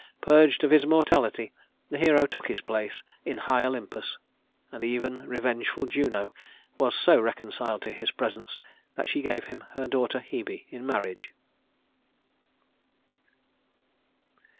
Purged of his mortality, the hero took his place in high Olympus, and even revengeful Juno was so reconciled to his presence, that she gave him her daughter Hebe in marriage.